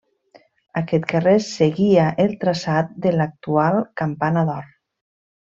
Aquest carrer seguia el traçat de l'actual Campana d'Or.